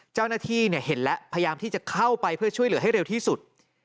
เจ้าหน้าที่เห็นแล้วพยายามที่จะเข้าไปเพื่อช่วยเหลือให้เร็วที่สุด